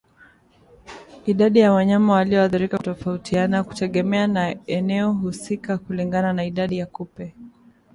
Idadi ya wanyama wanaoathirika hutofautiana kutegemea eneo husika kulingana na idadi ya kupe